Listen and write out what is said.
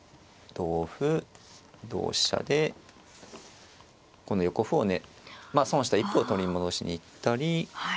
同歩同飛車でこの横歩をまあ損した一歩を取り戻しに行ったり。